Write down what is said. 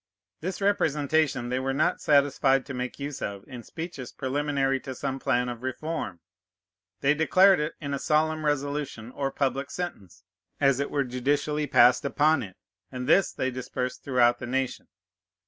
This representation they were not satisfied to make use of in speeches preliminary to some plan of reform; they declared it in a solemn resolution or public sentence, as it were judicially passed upon it; and this they dispersed throughout the nation.